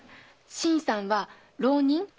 新さんは浪人？